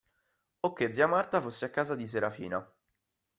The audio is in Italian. O che zia Marta fosse a casa di Serafina.